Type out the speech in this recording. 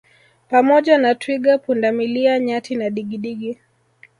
Pamoja na Twiga pundamilia Nyati na digidigi